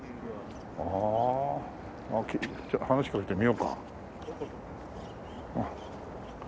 ああちょっと話しかけてみようか。